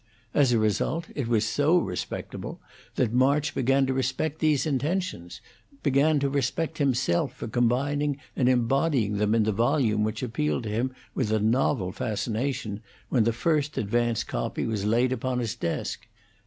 As a result, it was so respectable that March began to respect these intentions, began to respect himself for combining and embodying them in the volume which appealed to him with a novel fascination, when the first advance copy was laid upon his desk.